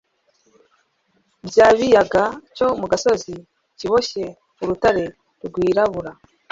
Bya kiyaga cyo mu gasozi kiboshye urutare rwirabura